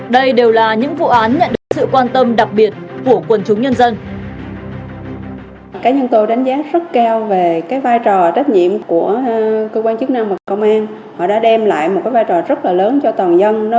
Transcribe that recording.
đây đều là những vụ án nhận được sự quan tâm đặc biệt của quần chúng nhân dân